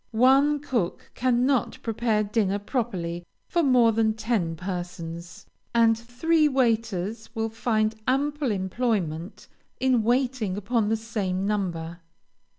One cook cannot prepare dinner properly for more than ten persons, and three waiters will find ample employment in waiting upon the same number.